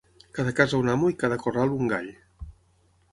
Cada casa un amo i cada corral un gall.